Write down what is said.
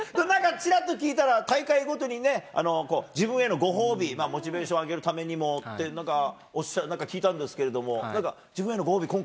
何か、ちらっと聞いたら大会ごとに自分へのご褒美モチベーションを上げるためにもって聞いたんですけど自分へのご褒美